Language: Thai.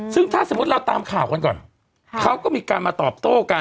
ซึ่งถ้าสมมุติเราตามข่าวกันก่อนเขาก็มีการมาตอบโต้กัน